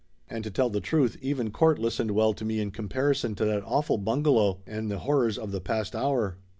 And to tell the truth even court listened well to me in comparison to that awful bungalow and the horrors of the past hour.